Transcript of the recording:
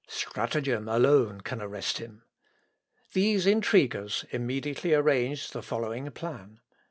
Stratagem alone can arrest him. These intriguers immediately arranged the following plan.